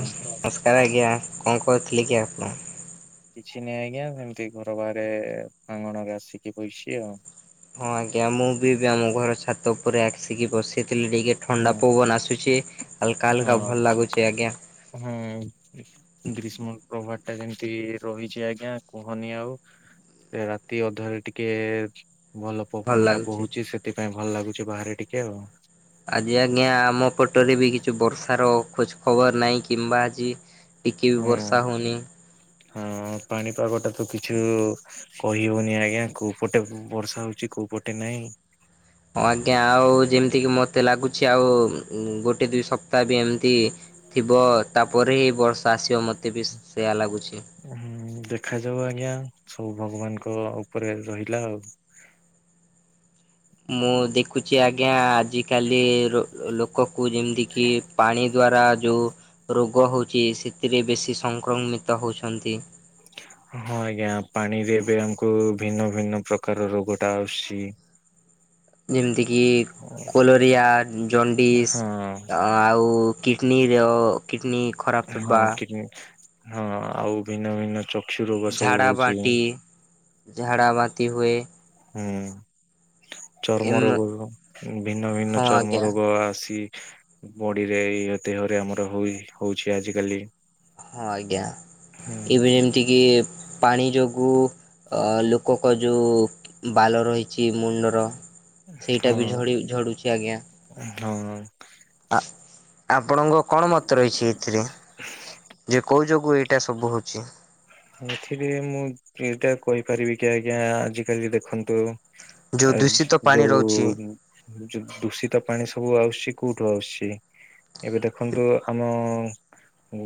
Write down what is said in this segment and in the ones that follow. ହଁ ନମସ୍କାର ଆଜ୍ଞା କଣ କରୁଥିଲେ କି ଆପଣ? କିଛି ନାହିଁ ଆଜ୍ଞା ଏମିତି ଘର ବାହାରେ ପ୍ରାଙ୍ଗଣରେ ଆସିକି ବଇସି ଆଉ ହଁ ଆଜ୍ଞା ମୁଁ ବି ଆମ ଘର ଛାତ ଉପରେ ଆସିକି ବସିଥିଲି ଟିକେ ଥଣ୍ଡା ହୁଁ ପବନ ଆସୁଛି ହଲକା ହାଲକା ଭଲ ହଁ ଲାଗୁଛି ଆଜ୍ଞା। ହୁଁ। ଗ୍ରୀଷ୍ମ ପ୍ରଭାତ ଟା ଯେମିତି ରହିଛି ଆଜ୍ଞା କୁହନି ଆଉ। ରାତି ଅଧାରେ ଟିକେ ଭଲ ପବନଟା ବୋହୁଛି ସେଥିପାଇଁ ଭଲ ଲାଗୁଛି ବାହାରେ ଟିକେ ଆଉ ଆଜି ଆଜ୍ଞା ଆମ ପଟରେ ବି କିଛି ବର୍ଷାର ଖୋଜ ଖବର ନାହିଁ କିମ୍ବା ଆଜି ଟିକି ବି ହୁଁ ବର୍ଷା ହଉନି। ହଁ ପାଣିପାଗଟା ତ କିଛୁ କହି ହଉନି ଆଜ୍ଞା କୋଉ ପଟେ ବର୍ଷା ହଉଛି କୋଉ ପଟେ ନାହିଁ। ହଁ ଆଜ୍ଞା ଆଉ ଯେମିତି କି ମତେ ଲାଗୁଛି ଆଉ ଗୋଟେ ଦିଇ ସପ୍ତାହ ବି ଏମିତି ଥିବ ତାପରେ ହି ବର୍ଷା ଆସିବ ମୋତେ ବି ସେୟା ଲାଗୁଛି। ହୁଁ ଦେଖାଯାଉ ଆଜ୍ଞା ସବୁ ଭଗବାନଙ୍କ ଉପରେ ରହିଲା ଆଉ। ମୁଁ ଦେଖୁଛି ଆଜ୍ଞା ଆଜିକାଲି ଲୋ-ଲୋକକୁ ଯେମିତି କିି ପାଣି ଦ୍ଵାରା ଯୋଉ ରୋଗ ହୋଉଛି ସେଥିରେ ବେଶୀ ସଂକ୍ରମିତ ହେଉଛନ୍ତି। ହଁ ଆଜ୍ଞା ପାଣିରେ ଏବେ ଆମକୁ ଭିନ୍ନ ଭିନ୍ନ ପ୍ରକାର ରୋଗ ଟା ଆସୁଛି। ଯେମିତିକି ହଁ କୋଲୋରିଆ ଜଣ୍ଡିସ୍ ଆଉ ଆଉ କିଡ଼ନୀର କିଡ଼ନୀ ଖରାପ ହେବା। [unintelligible] ହଁ ଆଉ ଭିନ୍ନ ଭିନ୍ନ ଚ ଝାଡ଼ା ବାନ୍ତି ଝାଡ଼ା ବାନ୍ତି ହୁଏ। ହୁଁ। ଚର୍ମ ଏମ ରୋଗ ହବ ଭିନ୍ନ ଭିନ୍ନ ହଁ ଚର୍ମ ଆଜ୍ଞା ରୋଗ ଆସି ବଡିରେ ଇ ଦେହରେ ଆମର ହୁଏ ହଉଛି ଆଜିକାଲି। ହଁ ଆଜ୍ଞା ହୁଁ ଏବେ ଯେମିତି କି ପାଣି ଯୋଗୁ ଲୋକଙ୍କ ଯୋଉ ବାଲ ରହିଛି ମୁଣ୍ଡର ସେଇଟା ବି ହଁ ଝ ଝଡୁଛି ଆଜ୍ଞା। ହଁ ଆ ଆପଣଙ୍କ କଣ ମତ ରହିଛି? ଏଥିରେ ଯେ କେଉ ଯୋଗୁଁ ଏଇଟା ସବୁ ହେଉଛି? ଏଥିରେ ମୁଁ ଏଇଟା କହିପାରିବି କି ଆଜ୍ଞା ଆଜିକାଲି ଦେଖନ୍ତୁ ଯୋଉ ଆ ଦୂଷିତ ପାଣି ରହୁଛି ଯୋଉ ଦୂଷିତ ପାଣି ସବୁ ଆସୁଛି କୋଉଠୁ ଆସୁଛି? ଏବେ ଦେଖନ୍ତୁ ଆମ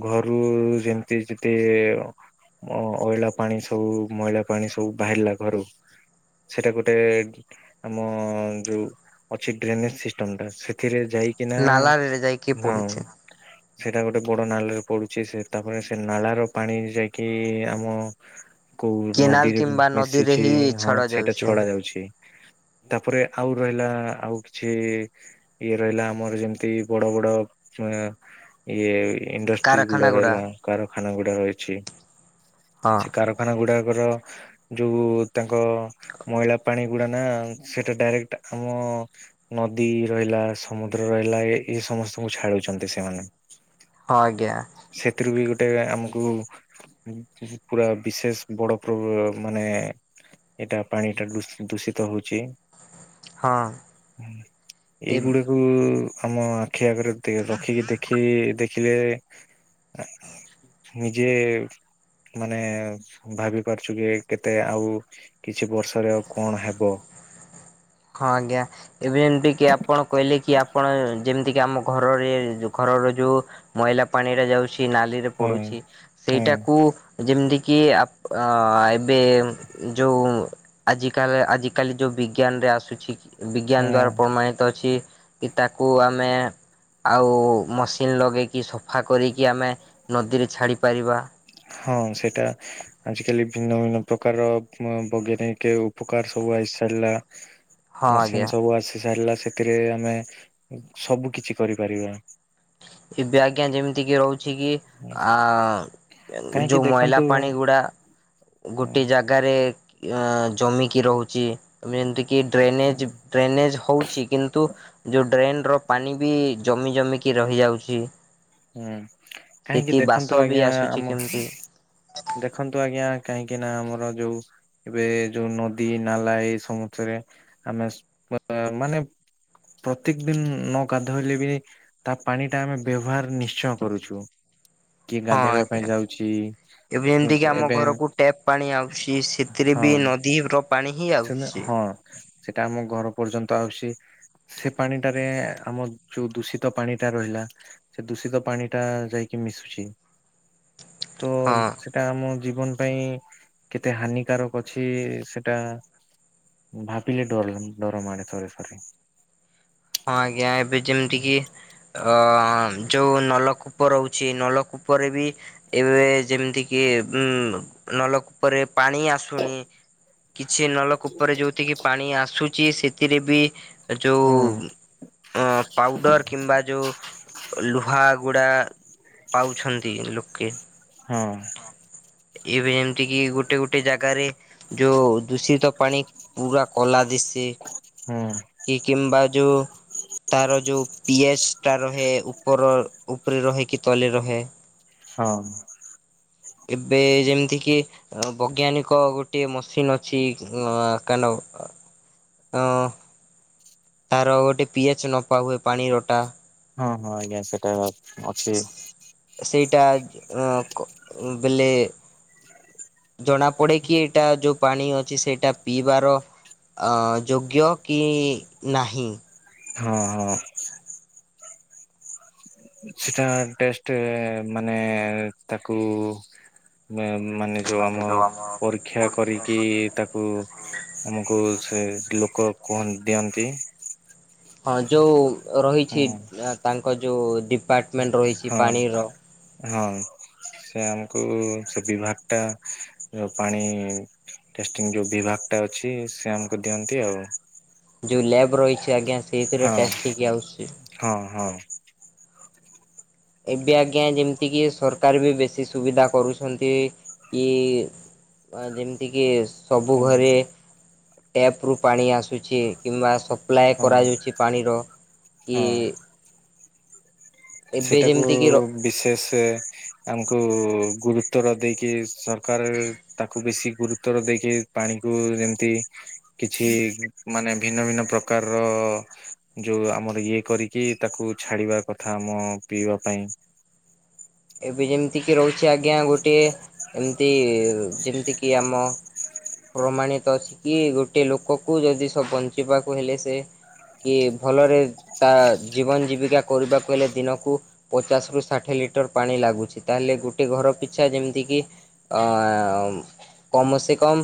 ଘରୁ ଯେମିତି ଯେତେ ଅ ଅଇଲା ପାଣି ସବୁ ମଇଳା ପାଣି ସବୁ ବାହାରିଲା ଘରୁ ସେଇଟା ଗୋଟେ ଆମ ଯୋଉ ଅଛି ଡ୍ରେନେଜ୍ ସିଷ୍ଟମ୍ ଟା ସେଥିରେ ଯାଇ କି ନା ନାଲାରେ ଯାଇକି ନା ପଡୁଛି। ସେଇଟା ଗୋଟେ ବଡ ନାଲ ରେ ପଡୁଛି ସେତେବେଳେ ସେ ନାଳ ର ପାଣି ଯାଇ କି ଆମ କୋଉ କେନାଲ ନଦୀରେ କିମ୍ବା ନଦୀରେ ମିଶିଛି ହିଁ ହଁ ଛଡା ସେଇଟା ଯାଉଛି। ଛଡା ଯାଉଛି। ତାପରେ ଆଉ ରହିଲା ଆଉ କିଛି ଇଏ ରହିଲା ଆମର ଯେମିତି ବଡ ବଡ ଚଣା ଇଏ ଇଣ୍ଡଷ୍ଟ୍ରିଜ୍ ଗୁଡା ରହିଲା କାରଖାନା ଗୁଡା ରହିଛି। ହଁ ସେ କାରଖାନା ଗୁଡାକର ଯୋଉ ତାଙ୍କ ମଇଳା ପାଣି ଗୁଡ଼ା ନା ସେଇଟା ଡାଇରେକ୍ଟ୍ ଆମ ନଦୀ ରହିଲା ସମୁଦ୍ର ରହିଲା ଏ ଏ ସମସ୍ତଙ୍କୁ ଛାଡୁଛନ୍ତି ସେମାନେ। ହଁ ଆଜ୍ଞା। ସେଥିରୁ ବି ଗୋଟେ ଆମକୁ ପୁରା ବିଶେଷ ବଡ ପ୍ର ମାନେ ଏଇଟା ପାଣିଟା ଦ ଦୂଷିତ ହଉଛି। ହଁ ଏଇ ଏ ଗୁଡା ଉଁ ଆମ ଆଖି ଆଗରେ ରଖିକି ଦେଖି ଦେଖିଲେ ନିଜେ ମାନେ ଭାବି ପାରୁଛୁ କି କେତେ ଆଉ କିଛି ବର୍ଷରେ ଆଉ କଣ ହେବ? ହଁ ଆଜ୍ଞା ଏବେ ଯେମତି କି ଆପଣ କହିଲେ କି ଆପଣ ଯେମିତି କି ଆମ ଘରରେ ଘରର ଯୋଉ ମଇଲା ପାଣି ଟା ଯାଉଛି ନାଲିରେ ହୁଁ ପଡୁଛି ହୁଁ ସେଇଟାକୁ ଯେମିତି କିି ଏବେ ଯୋଉ ଆଜିକାଲି ଆଜିକାଲି ଯୋଉ ବିଜ୍ଞାନ ରେ ଆସୁଛି ହୁଁ ବିଜ୍ଞାନ ଦ୍ଵାରା ପ୍ରମାଣିତ ଅଛି। କି ତାକୁ ଆମେ ଆଉ ମସିନ୍ ଲଗେଇକି ସଫା କରିକି ଆମେ ନଦୀରେ ଛାଡ଼ିପାରିବା। ହଁ ସେଇଟା ଆଜିକାଲି ଭିନ୍ନ ଭିନ୍ନ ପ୍ରକାର ବୈଜ୍ଞାନିକ ଉପକାର ସବୁ ଆସି ଚାଲିଲା। ହଁ ମସିନ୍ ସବୁ ଆସି ସାରିଲା ସେଥିରେ ଆମେ ସବୁ କିଛି କରିପାରିବା। ଏବେ ଆଜ୍ଞା ଯେମିତି କି ରହୁଛି କି ଆ କାହିଁକି ଯୋଉ ମଇଲା ଦେଖନ୍ତୁ ହୁଁ ପାଣି ଗୁଡା ଗୋଟେ ଜାଗାରେ ଜମିକି ରହୁଛି ଯେମତି କିି ଡ୍ରେନେଜ୍ ଡ୍ରେନ୍ ଏଜ୍ ହଉଛି କିନ୍ତୁ ଯଉ ଡ୍ରେନ ର ପାଣି ବି ଜମି ଜମିକି ରହିଯାଉଛି। ହୁଁ କାହିଁକି ସେଠି ବାସ ଦେଖନ୍ତୁ ବି ଆଜ୍ଞା ଆସୁଛି ଆମ କେମିତି। ଦେଖନ୍ତୁ ଆଜ୍ଞା କାହିଁକି ନା ଆମର ଯୋଉ ଏବେ ଯୋଉ ନଦୀ ନାଲା ଏଇ ସମୁସରେ ଆମେ ମାନେ ପ୍ରତ୍ୟେକ ଦିନ ନ ଗାଧୋଇଲେ ବି ତା ପାଣି ଟା ଆମେ ବ୍ୟବହାର ନିଶ୍ଚୟ କରୁଛୁ କିଏ ହଁ ଗାଧେଇବା ଆଜ୍ଞା। ପାଇଁ ଯାଉଛି। ଏବେ ଯେମିତିକି ଆମ ଏବେ ଘରକୁ ଟ୍ୟାପ୍ ପାଣି ଆଉଛି ସେଥିରେ ହଁ ବି ନଦୀର ପାଣି ହିଁ ସେ ଆଉଛି। ହଁ ସେଟା ଆମ ଘର ପର୍ଯ୍ୟନ୍ତ ଆସୁଛି। ସେ ପାଣିଟାରେ ଆମ ଯୋଉ ଦୂଷିତ ପାଣି ଟା ରହିଲା। ସେ ଦୂଷିତ ପାଣି ଟା ଯାଇକି ମିଶୁଛି। ତ ହଁ ହଁ ସେଟା ଆମ ଜୀବନ ପାଇଁ କେତେ ହାନିକାରକ ଅଛି ସେଟା। ଭାବିଲେ ଡର ଡରମାଡେ ଥରେ ଥରେ। ହଁ ଆଜ୍ଞା ଏବେ ଯେମିତି କି ଅ ଯଉ ନଲକୂପ ରହୁଛି ନଲକୂପରେ ବି ଏବେ ଯେମିତି କିି ଉ ନଲକୂପରେ ପାଣି ଆସୁନି। କିଛି ନଲକୂପରେ ଯୋଉଥିକି ପାଣି ଆସୁଛି ସେଥିରେ ବି ଯୋଉ ହୁଁ ଅ ପାଉଡର କିମ୍ବା ଯୋଉ ଲୁହା ଗୁଡା ପାଉଛନ୍ତି ଲୋକେ। ହଁ। [inaudible] ଏବେ ଯେମିତି କି ଗୋଟେ ଗୋଟେ ଜାଗାରେ ଯୋଉ ଦୂଷିତ ପାଣି ପୁରା କଲା ଦିଶ ହୁଁ କି କିମ୍ବା ଯୋଉ ତାର ଯୋଉ ପିଏଚ ଟା ରହେ ଉପର ଉପରେ ରହେ କି ତଲେ ରହେ। ହଁ। ଏବେ ଯେମିତି କିି ବୈଜ୍ଞାନିକ ଗୋଟେ ମସିନ ଅଛି କେନ? ହଁ। ତାର ଗୋଟେ ପିଏଚ୍‌ ନପାଉ ଏ ପାଣିରଟା। ହଁ ହଁ ଆଜ୍ଞା ସେଟା ଅଛି। ସେଇଟା ବେଲେ। ଜଣା ପଡେ କିି ଏଇଟା ଯୋଉ ପାଣି ଅଛି ସେଇଟା ପିଇବାର। ଆ ଯୋଗ୍ୟ କି ନାହିଁ। ହଁ ହଁ। ସେଟା ଟେଷ୍ଟ ମାନେ ତାକୁ ମାନେ ଯୋଉ ଆମ ପରୀକ୍ଷା କରିକି ତା କୁ ଆମକୁ ସେ ଲୋକ [unintelligible] ଦିଅନ୍ତି। ହଁ ଯୋଉ ହୁଁ ରହିଛି ତାଙ୍କ ଯୋଉ ଡିପାର୍ଟମେଣ୍ଟ ରହିଛି ହଁ ପାଣିର। ହଁ ସେ ଆମକୁ ସେ ବିଭାଗ ଟା ପାଣି ଟେଷ୍ଟିଙ୍ଗ ଯୋଉ ବିଭାଗ ଟା ଅଛି ସେ ଆମକୁ ଦିଅନ୍ତି ଆଉ। ଯୋଉ ଲ୍ୟାବ୍ ରହିଛି ଆଜ୍ଞା ସେଇଥିରେ ହଁ ଟେଷ୍ଟ ହେଇକି ଆଉଛି। ହଁ ହଁ। ଏବେ ଆଜ୍ଞା ଯେମିତି କିି ସରକାର ବି ବେଶୀ ସୁବିଧା କରୁଛନ୍ତି କି ଯେମିତି କିି ସବୁ ହଁ ଘରେ ଟ୍ୟାପ୍ ରୁ ପାଣି ଆସୁଛି। କିମ୍ବା ସପ୍ଲାଏ ହଁ କରାଯାଉଛି ପାଣିର କି ହଁ ଏବେ ସେଟାକୁ ଯେମିତିକି ବିଶେଷ ଆମକୁ ଗୁରୁତର ଦେଇକି ସରକାର ତାକୁ ବେଶି ଗୁରୁତର ଦେଇକି ପାଣିକୁ ଯେମିତି କିଛି ମାନେ ଭିନ୍ନ ଭିନ୍ନ ପ୍ରକାର ର ଯୋଉ ଆମର ଇଏ କରିକି ତାକୁ ଛାଡିବା କଥା ଆମ ପିଇବା ପାଇଁ। ଏବେ ଯେମିତି କିି ରହୁଛି ଆଜ୍ଞା ଗୋଟଏ ଏମିତି ଯେମିତି କିି ଆମ ପ୍ରମାଣିତ ଅଛି କି ଗୋଟେ ଲୋକକୁ ଯଦି ସ ବଞ୍ଚିବାକୁ ହେଲେ ସେ କି ଭଲରେ ତା ଜୀବନ ଜୀବିକା କରିବାକୁ ହେଲେ ଦିନକୁ ପଚାଶ ରୁ ଷାଠିଏ ଲିଟର ଲିଟର ପାଣି ଲାଗୁଛି, ତାହେଲେ ଗୋଟେ ଘର ପିଛା ଯେମିତିକି ଆ କମ୍ ସେ କମ୍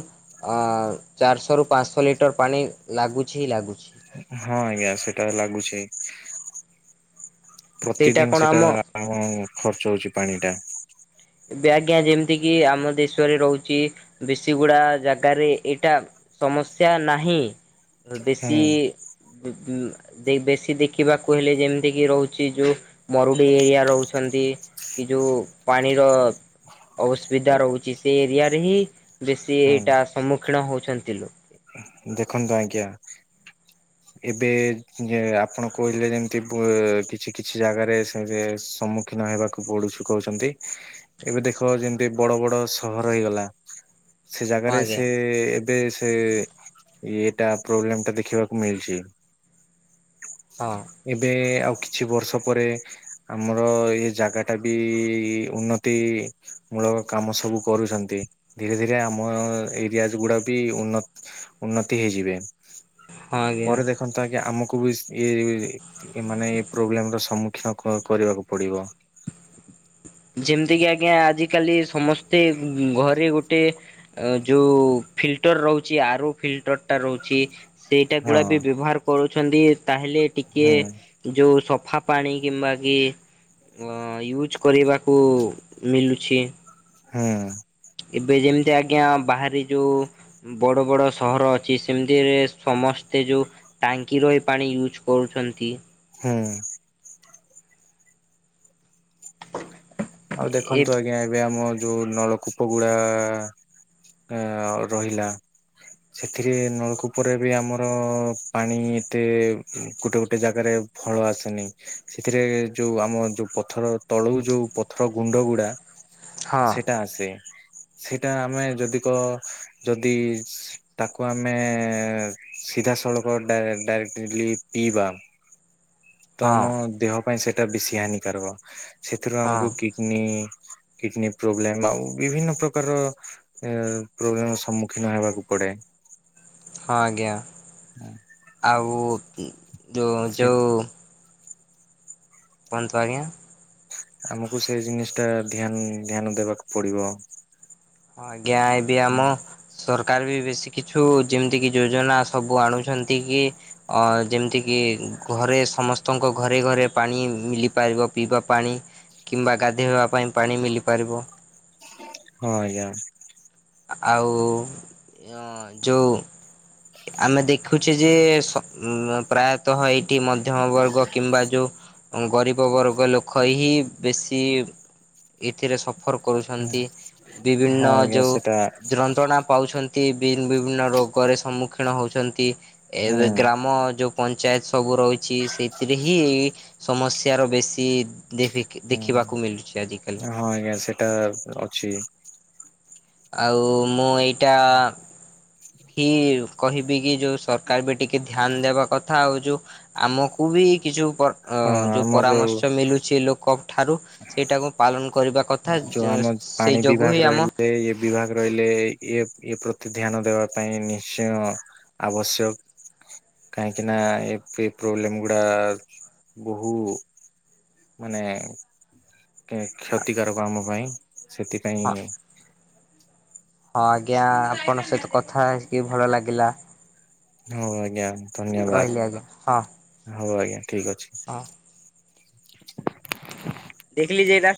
ଚାରିଶହରୁ ପାଞ୍ଚଶହ ଲିଟର ପାଣି ଲାଗୁଛି ଲାଗୁଛି। ହଁ ଆଜ୍ଞା ସେଟା ଲାଗୁଛି, ସେଇଟା ପ୍ରତିଦିନ କଣ ସେଟା ଆମ ହଁ ଖର୍ଚ୍ଚ ହଉଛି ପାଣି ଟା। ଏବେ ଆଜ୍ଞା ଯେମିତି କିି ଆମ ଦେଶରେ ରହୁଛି ବେଶୀଗୁଡା ଜାଗାରେ ଏଇଟା ସମସ୍ୟା ନାହିଁ ବେଶୀ ହୁଁ ବେଶୀ ଦେଖିବାକୁ ହେଲେ ଯେମିତି କି ରହୁଛି ଯୋଉ ମରୁଡି ଏରିଆ ରହୁଛନ୍ତି। ଏଯଉ ପାଣି ପାଣିର ଅସୁବିଧା ରହୁଛି ସେ ଏରିଆରେ ହି ବେଶୀ ହଁ ଟାଇମ୍ ସମ୍ମୁଖୀନ ହେଉଛନ୍ତି ଲୁ ଦେଖନ୍ତୁ ଆଜ୍ଞା। ଏବେ ଯେ ଆପଣ କହିଲେ ଯେମିତି କିଛି କିଛି ଜାଗାରେ ସେ ସମ୍ମୁଖୀନ ହେବାକୁ ପଢୁଛୁ କହୁଛନ୍ତି, ଏବେ ଦେଖ ଯେମିତି ବଡ ବଡ ସହର ହେଇଗଲା। ସେ ଜାଗାରେ ଆଜ୍ଞା ସେ ଏବେ ସେ ଇଏଟା ପ୍ରୋବ୍ଲେମ ଟା ଦେଖିବାକୁ ମିଳିଛି। ହଁ ଏବେ ଆଉ କିଛି ବର୍ଷ ପରେ ଆମର ଏଇ ଜାଗା ଟା ବି ଉନ୍ନତି ମୂଳ କାମ ସବୁ କରୁଛନ୍ତି ଧୀରେ ଧୀରେ ଆମ ଏରିଆଜ ଗୁଡା ବି ଉନ୍ନତ ଉନ୍ନତି ହେଇଯିବେ, ହଁ ଆଜ୍ଞା। ପରେ ଦେଖନ୍ତୁ ଆଜ୍ଞା ଆମକୁ ବି ଇଏ ଏମାନେ ଏଇ ପ୍ରୋବ୍ଲେମ ର ସମ୍ମୁଖୀନ କ କରିବାକୁ ପଡିବ। ଯେମିତି କି ଆଜ୍ଞା ଆଜିିକାଲି ସମସ୍ତେ ଘରେ ଗୋଟେ ଅ ଯୋଉ ଫିଲ୍ଟର ରହୁଛି, ଆରୋ ଫିଲ୍ଟରଟା ରହୁଛି। ସେଇଟା ହଁ ଗୁଡା ବି ବ୍ୟବହାର କରୁଛନ୍ତି ତାହେଲେ ଟିକେ ହୁଁ ଯୋଉ ସଫା ପାଣି କିମ୍ବା କି ୟୁଜ କରିବା କୁ ମିଲୁଛି। ହୁଁ। ଏବେ ଯେମିତି ଆଜ୍ଞା ବାହାରେ ଯୋଉ ବଡ ବଡ ସହର ଅଛି ସେମିତିରେ ସମସ୍ତେ ଯୋଉ ଟାଙ୍କି ର ଏ ପାଣି ୟୁଜ କରୁଛନ୍ତି। ହୁଁ। ଆଉ ଏ ଦେଖନ୍ତୁ ଆଜ୍ଞା ଏବେ ଆମ ଯୋଉ ନଳକ କୂପଗୁଡା ରହିଲା। ସେଥିରେ ନଳକୂପରେ ବି ଆମର ପାଣି ଏତେ ଗୋଟେ ଗୋଟେ ଜାଗାରେ ଫଳ ଆସେନି, ସେଥିରେ ଯଉ ଆମ ଯୋଉ ପଥର ତଳୁ ଯଉ ଥର ଗୁଣ୍ଡ ଗୁଡା ସେଇଟା ଆସେ, ସେଇଟା ଆମେ ଯଦି କ ଯଦି ତାକୁ ଆମେ ସିଧାସଳଖ ଡା-ଡାଇରେକ୍ଟଲି ପିଇବା। ତ ହଁ ଆମ ଦେହ ପାଇଁ ସେଇଟା ବେଶୀ ହାନିକାରକ, ସେଥିରୁ ହଁ ଆମକୁ କିଡନୀ କିଡନୀ ପ୍ରୋବ୍ଲେମ ଆଉ ବିଭିନ୍ନ ପ୍ରକାର ଏ ପ୍ରୋବ୍ଲେମ ସମ୍ମୁଖୀନ ହେବାକୁ ପଡେ। ହଁ ଆଜ୍ଞା ଆଉ ଯେଉଁ ସେ ଯେଉଁ କୁଅନ୍ତୁ ଆଜ୍ଞା। ଆମକୁ ସେଇ ଜିନିଷ ଟା ଧ୍ୟାନ ଧ୍ୟାନ ଦେବାକୁ ପଡିବ। ହଁ ଆଜ୍ଞା ଏବେ ଆମ ସରକାର ବି ବେଶୀ କିଛିୁ ଯେମିତି କି ଯୋଜନା ସବୁ ଆଣୁଛନ୍ତି କି ଅ ଯେମିତିକି ଘରେ ସମସ୍ତଙ୍କ ଘରେ ଘରେ ପାଣି ମଲିପାରିବ ପିଇବା ପାଣି। କିମ୍ବା ଗାଧୋଇବା ପାଇଁ ପାଣି ମିଲିପାରିବ। ହଁ ଆଜ୍ଞା। ଆଉ ଯୋଉ ଆମେ ଦେଖୁଚେ ଯେ ସ ପ୍ରାୟ ତଃ ଏଇଠି ମଧ୍ୟମ ବର୍ଗ କିମ୍ବା ଯୋଉ ଗରିବ ବର୍ଗ ଲୋକ ହେଇକି ବେଶୀ ଏଥିରେ ସଫର୍ କରୁଛନ୍ତି ହଁ ବିଭିନ୍ନ ଆଜ୍ଞା ଯୋଉ ସେଟା ଧନ୍ତ୍ରଣା ପାଉଛନ୍ତି ବିନ୍ ବିଭିନ୍ନ ରୋଗରେ ସମ୍ମୁଖୀନ ହଉଛନ୍ତି। ଏବେ ହୁଁ। ଗ୍ରାମ ଯୋଉ ପଞ୍ଚାୟତ ସବୁ ରହିଛି ସେଥିରେ ହି ସମସ୍ୟାର ବେଶୀ [unintelligible] ହୁଁ ଦେଖିବାକୁ ମିଲୁଛି ଆଜିକାଲି। ହଁ ଆଜ୍ଞା ସେଟା ଅଛି। ଆଉ ମୁଁ ଏଇଟା ହି କହିବି କି ଯୋଉ ସରକାର ବି ଟି ତି ଧ୍ୟାନ ଦେବା କଥା ଆଉ ଯୋଉ ଆମକୁ ବି କି ଯୋଉ କର ହଁ ଯୋଉ ଆମ ପରାମର୍ଶ ମିଲୁଛି ଲୋକ ଠାରୁ ସେଇଟାକୁ ପାଲନ କରିବା କଥା, ଯୋଉ ଯ ଆମ ପାଣି ସେଇ ଯୋଗୁ ବିଭାଗ ହିଁ ଆମ ରହିଲେ ଏ ବିଭାଗ ରହିଲେ ଏ ଏ ପ୍ରତି ଧ୍ୟାନ ଦେବା ପାଇଁ ନିଶ୍ଚୟ ଆବଶ୍ୟକ। କାହିଁକି ନା ଏ-ଏ ପ୍ରୋବ୍ଲେମ ଗୁଡା ବହୁ ମାନେ କ୍ଷତିକାରକ ଆମ ପାଇଁ ସେଥିପାଇଁ ହଁ ଆଜ୍ଞା ଆପଣଙ୍କ ସହିତ କଥା ହେଇକି ଭଲ ଲାଗିଲା। ହଉ ଆଜ୍ଞା ଧନ୍ୟବାଦ, ରହିଲି ଆଜ୍ଞା ହଁ ହଉ ଆଜ୍ଞା ଠିକ ଅଛି। ହଁ। ଦେଖିଲି ଯେ ଏଇଟା